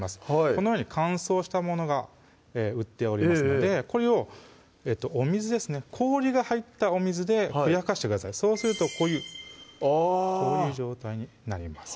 このように乾燥したものが売っておりますのでこれをお水ですね氷が入ったお水でふやかしてくださいそうするとこういうあぁこういう状態になります